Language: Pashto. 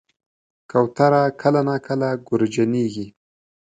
کوتره کله ناکله ګورجنیږي.